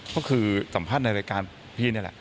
ก็คือสัมภาษณ์ในรายการพี่นี่แหละ